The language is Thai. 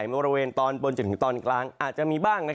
บริเวณตอนบนจนถึงตอนกลางอาจจะมีบ้าง